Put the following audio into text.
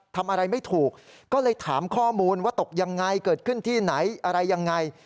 ทำอะไรไม่ถูกก็เลยถามข้อมูลว่าตกยังไงเกิดขึ้นที่ไหนอะไรยังไง